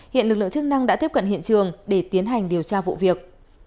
hiện lực lượng chức năng đã tiếp cận hiện trường để tiến hành điều tra vụ việc